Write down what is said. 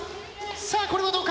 さあこれはどうか！